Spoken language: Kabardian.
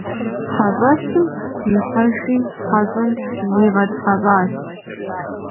ХьэщӀэщым ихьэжри хьэщӀэм зыригъэтхьэщӀащ.